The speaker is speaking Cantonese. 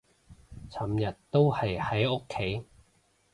尋日都係喺屋企